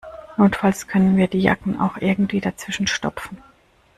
Notfalls können wir die Jacken auch irgendwie dazwischen stopfen.